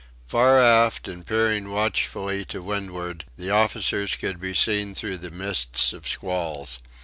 Far aft, and peering watchfully to windward, the officers could be seen through the mist of squalls.